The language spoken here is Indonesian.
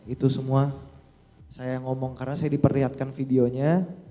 itu semua saya ngomong karena saya diperlihatkan videonya